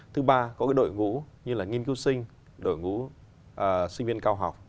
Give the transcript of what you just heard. thứ ba có cái đội ngũ như là nghiên cứu sinh đội ngũ sinh viên cao học